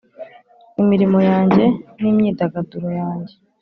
imirimo yanjye, n'imyidagaduro yanjye,